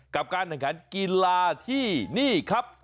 การแข่งขันกีฬาที่นี่ครับ